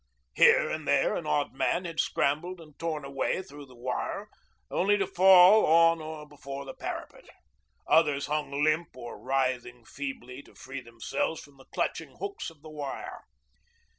Here and there an odd man had scrambled and torn a way through the wire, only to fall on or before the parapet. Others hung limp or writhing feebly to free themselves from the clutching hooks of the wire.